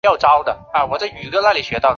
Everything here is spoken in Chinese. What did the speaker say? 先后参加过黄桥战役等战役。